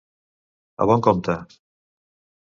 A bon compte.